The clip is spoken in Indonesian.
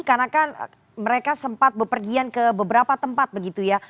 karena kan mereka sempat berpergian ke beberapa tempat begitu ya